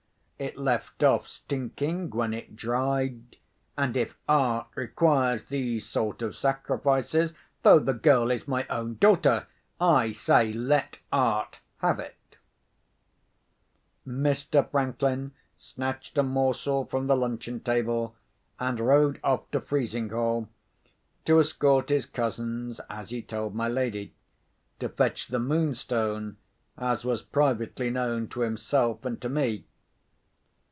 It left off stinking when it dried; and if Art requires these sort of sacrifices—though the girl is my own daughter—I say, let Art have them! Mr. Franklin snatched a morsel from the luncheon table, and rode off to Frizinghall—to escort his cousins, as he told my lady. To fetch the Moonstone, as was privately known to himself and to me.